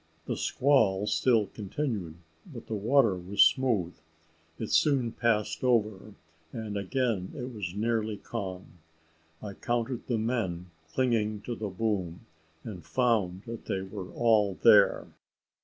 The squall still continued, but the water was smooth. It soon passed over, and again it was nearly calm. I counted the men clinging to the boom, and found that they were all there.